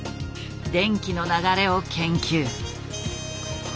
電気の流れを研究。